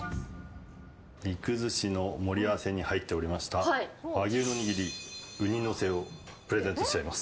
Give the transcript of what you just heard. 肉寿司の盛り合わせに入っておりました和牛の握りウニ乗せをプレゼントしちゃいます。